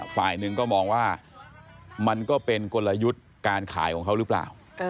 ฝ่ายหนึ่งก็มองว่ามันก็เป็นกลยุทธ์การขายของเขาหรือเปล่า